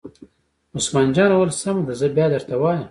عثمان جان وویل: سمه ده زه بیا درته وایم.